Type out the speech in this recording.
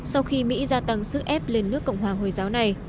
sau khi mỹ gia tăng sức ép lên nước cộng hòa hồi giáo này